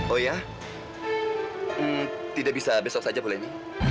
oh iya tidak bisa besok saja boleh nih